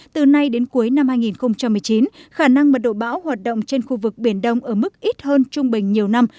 từ nay đến cuối năm hai nghìn một mươi chín khả năng mật độ bão hoạt động trên khu vực biển đông ở mức ít hơn trung bình nhiều năm